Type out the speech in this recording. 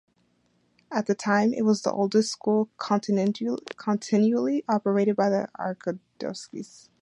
At the time it was the oldest school continually operated by the archdiocese.